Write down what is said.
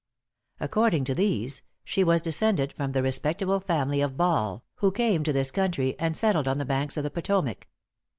According to these, she was descended from the respectable family of Ball, who came to this country and settled on the banks of the Potomac.